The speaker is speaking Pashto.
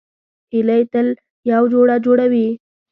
هیلۍ تل یو جوړه جوړوي